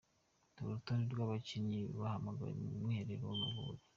Dore urutonde rw'abakinnyi bahamagawe mu mwiherero w’Amavubi:.